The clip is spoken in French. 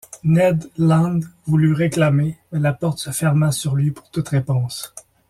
Ned Land voulut réclamer, mais la porte se ferma sur lui pour toute réponse.